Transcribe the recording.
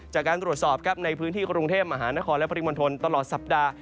จากการตรวจสอบครับในพื้นที่กรุงเทพมหานครและปริมณฑลตลอดสัปดาห์